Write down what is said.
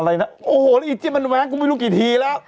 อะไรเนี่ยโอ้โหมันแว้งกูไม่รู้กี่ทีแล้ว